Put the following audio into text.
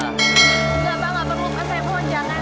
enggak pak gak perlu kasih mohon jangan